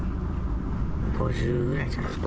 ５０ぐらいですかね。